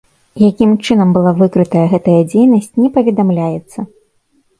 Якім чынам была выкрытая гэтая дзейнасць, не паведамляецца.